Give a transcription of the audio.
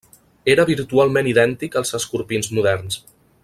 Era virtualment idèntic als escorpins moderns.